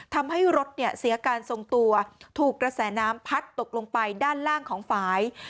ทำให้รถเนี่ยเสียการทรงตัวถูกกระแสน้ำพัดตกลงไปด้านล่างของฝ่าย